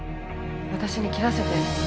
私に切らせて。